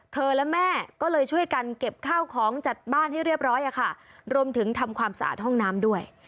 และแม่ก็เลยช่วยกันเก็บข้าวของจัดบ้านให้เรียบร้อยอะค่ะรวมถึงทำความสะอาดห้องน้ำด้วย